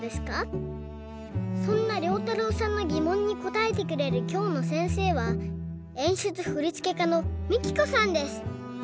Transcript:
そんなりょうたろうさんのぎもんにこたえてくれるきょうのせんせいはえんしゅつふりつけかのＭＩＫＩＫＯさんです。